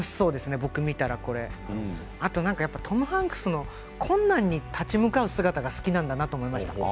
僕、見たらこれあとトム・ハンクスの困難に立ち向かう姿が好きなんだなと思いました。